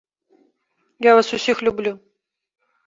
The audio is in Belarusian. Я вас усіх люблю.